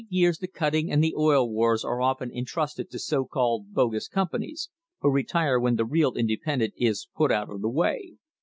CUTTING TO KILL years the cutting and the "Oil Wars" are often intrusted to so called "bogus" companies, who retire when the real inde pendent is put out of the way.